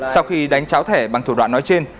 sau khi đánh cháo thẻ bằng thủ đoạn nói trên